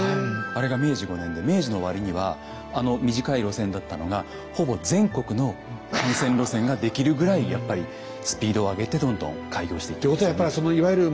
あれが明治５年で明治の終わりにはあの短い路線だったのがほぼ全国の幹線路線が出来るぐらいやっぱりスピードを上げてどんどん開業していったんですよね。